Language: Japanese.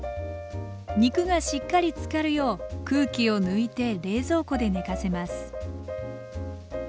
肉がしっかりつかるよう空気を抜いて冷蔵庫で寝かせます